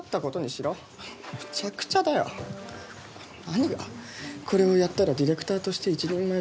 何が「これをやったらディレクターとして一人前だ」